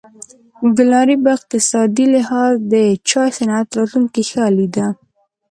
ګلنارې په اقتصادي لحاظ د چای صنعت راتلونکې ښه لیده.